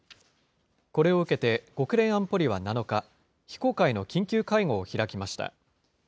これを受けて、国連安保理は７日、非公開の緊急会合を開きました。